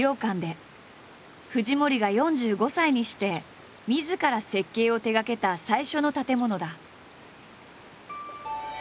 藤森が４５歳にしてみずから設計を手がけた最初の建物だ。